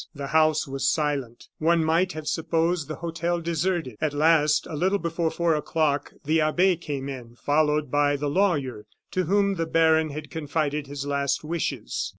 The house was silent. One might have supposed the hotel deserted. At last, a little before four o'clock, the abbe came in, followed by the lawyer to whom the baron had confided his last wishes.